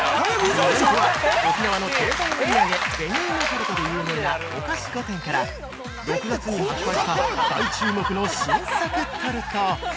◆続いては、沖縄の定番お土産「紅いもタルト」で有名な「御菓子御殿」から６月に発売した大注目の新作タルト！